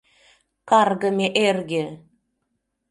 Каргыме эрге!..